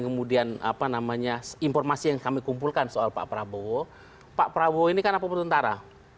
kemudian apa namanya informasi yang kami kumpulkan soal pak prabowo pak prabowo ini kan apa bertentara